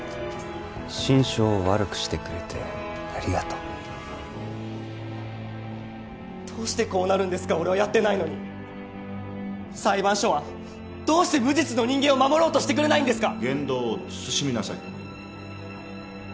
心証を悪くしてくれてありがとうどうしてこうなるんですか俺はやってないのに裁判所はどうして無実の人間を守ろうとしてくれないんですか？